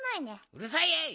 うるさいやい！